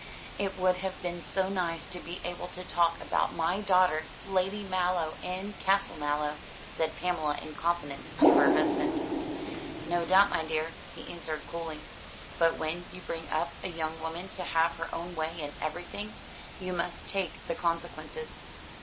"It would have been so nice to be able to talk about my daughter, Lady Mallow, and Castle Mallow," said Pamela in confidence to her husband. "No doubt, my dear," he answered coolly; "but when you bring up a young woman to have her own way in everything, you must take the consequences."